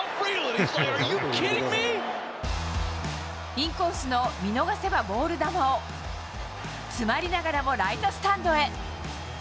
インコースの見逃せばボール球を、詰まりながらもライトスタンドへ。